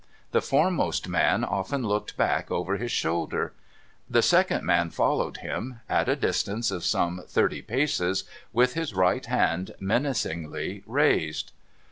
The foremost man often looked back over his shoulder, 'I'he second man followed him, at a distance of some thirty paces, with his right hand menacingly raised.